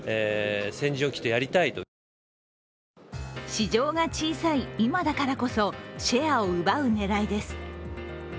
市場が小さい今だからこそシェアを奪う狙いです。